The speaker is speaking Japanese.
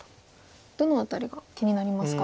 どの辺りが気になりますか？